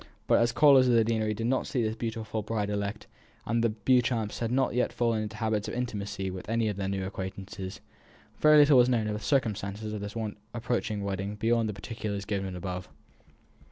But as callers at the deanery did not see this beautiful bride elect, and as the Beauchamps had not as yet fallen into habits of intimacy with any of their new acquaintances, very little was known of the circumstances of this approaching wedding beyond the particulars given above.